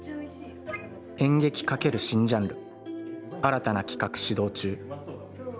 『演劇×新ジャンル、新たな企画始動中』。